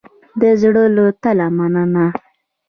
د زړه له تله مننه